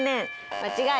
間違い。